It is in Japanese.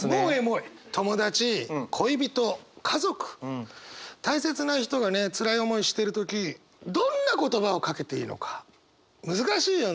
友達恋人家族大切な人がねつらい思いしてる時どんな言葉をかけていいのか難しいよね。